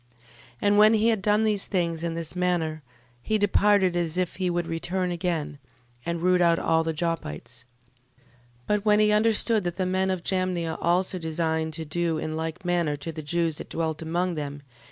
12:7. And when he had done these things in this manner, he departed as if he would return again, and root out all the Joppites. 12:8. But when he understood that the men of Jamnia also designed to do in like manner to the Jews that dwelt among them, 12:9.